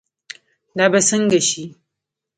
دا به سنګه شي